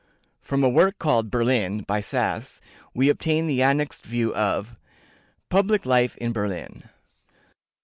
From a work called "Berlin," by Sass, we obtain the annexed view of PUBLIC LIFE IN BERLIN.